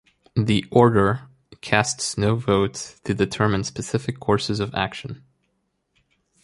The Order casts no votes to determine specific courses of action.